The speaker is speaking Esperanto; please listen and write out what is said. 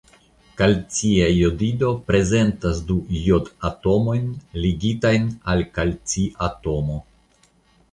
Kalcia jodido prezentas du jodatomojn ligitajn al kalciatomo.